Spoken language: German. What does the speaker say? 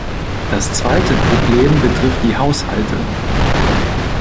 Das zweite Problem betrifft die Haushalte.